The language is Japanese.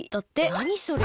なにそれ？